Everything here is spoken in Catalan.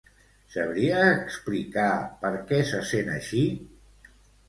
Sabria explicar per què se sent així?